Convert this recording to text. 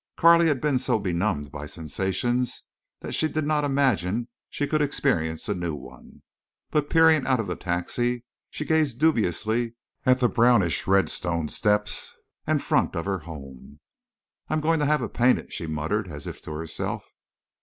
Carley had been so benumbed by sensations that she did not imagine she could experience a new one. But peering out of the taxi, she gazed dubiously at the brownish red stone steps and front of her home. "I'm going to have it painted," she muttered, as if to herself.